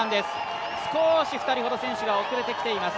少し２人ほど選手が遅れてきています。